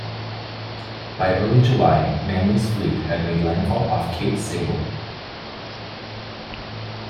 By early July, Manley's fleet had made landfall off Cape Sable.